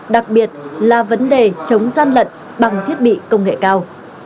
đặc biệt là vấn đề chống gian lận bằng thiết bị công nghệ cao